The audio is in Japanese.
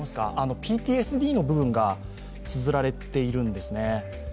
ＰＴＳＤの部分がつづられているんですね。